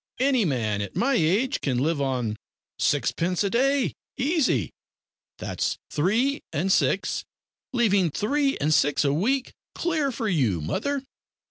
Any man at my age can live on sixpence a day easy that's three and six, leaving three and six a week clear for you, mother.